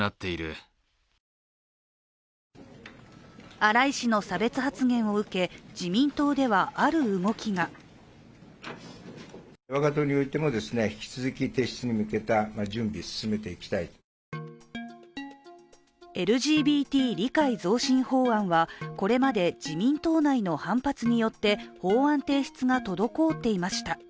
荒井氏の差別発言を受け、自民党ではある動きがＬＧＢＴ理解増進法案はこれまで自民党内の反発によって法案提出が滞っていました。